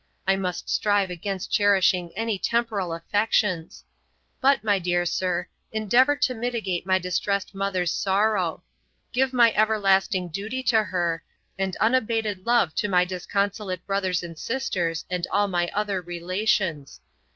I must strive against cherishing any temporal affections. But, my dear Sir, endeavour to mitigate my distressed mother's sorrow. Give my everlasting duty to her, and unabated love to my disconsolate brothers and sisters, and all my other relations.